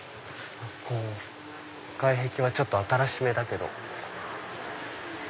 外壁はちょっと新しめだけど。